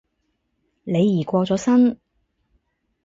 李怡過咗身